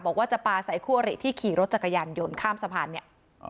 บอกว่าจะปลาใส่คู่อริที่ขี่รถจักรยานยนต์ข้ามสะพานเนี่ย